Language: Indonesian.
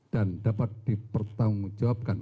dan dapat dipertanggung jawabkan